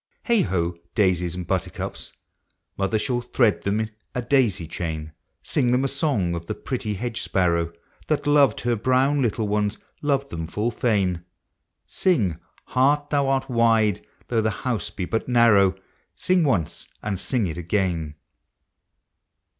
Heigh ho! daisies and buttercups! Mother shall thread them a daisy chain; Sing them a song of the pretty hedge sparrow, That loved her brown little ones, loved them full fain; Sing, " Heart, thou art wide, though the house be but narrow," — Sing once, and sing it again.